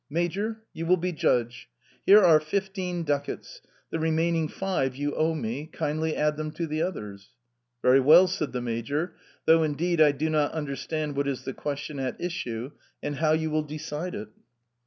"Major, you will be judge. Here are fifteen ducats, the remaining five you owe me, kindly add them to the others." "Very well," said the major; "though, indeed, I do not understand what is the question at issue and how you will decide it!"